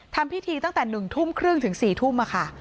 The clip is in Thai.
ทำพิธีตั้งแต่๑ทุ่มครึ่งถึง๔ทุ่มค่ะ